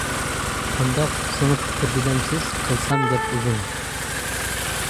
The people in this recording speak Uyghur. قانداق سىڭىپ كىردى دەمسىز؟ قىلسام گەپ ئۇزۇن.